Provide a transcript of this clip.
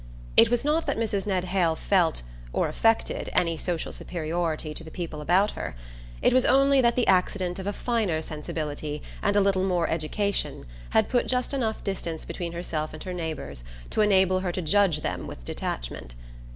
It was not that Mrs. Ned Hale felt, or affected, any social superiority to the people about her; it was only that the accident of a finer sensibility and a little more education had put just enough distance between herself and her neighbours to enable her to judge them with detachment.